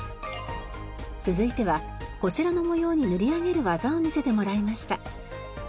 続いてはこちらの模様に塗り上げる技を見せてもらいました。